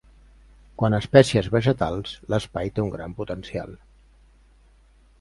Quant a espècies vegetals, l'espai té un gran potencial.